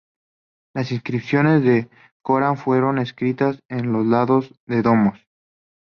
Las inscripciones de Corán fueron escritas en los lados de domos.